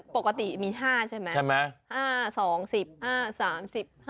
ปกติมี๕ใช่ไหมใช่ไหม